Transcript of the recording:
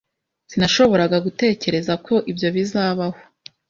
Sinashoboraga gutekereza ko ibyo bizabaho.